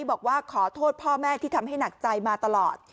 บอกว่าขอโทษพ่อแม่ที่ทำให้หนักใจมาตลอด